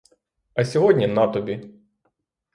А сьогодні, на тобі!